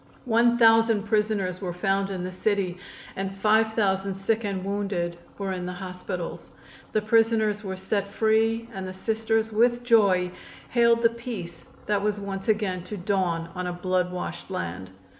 One thousand prisoners were found in the city and five thousand sick and wounded were in the hospitals. The prisoners were set free and the Sisters with joy hailed the peace that was once again to dawn on a blood washed land.